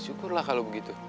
syukurlah kalau begitu